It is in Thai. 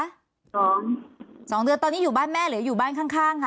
สองสองเดือนตอนนี้อยู่บ้านแม่หรืออยู่บ้านข้างข้างค่ะ